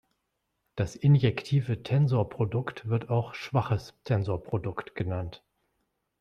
Das injektive Tensorprodukt wird auch "schwaches Tensorprodukt" genannt.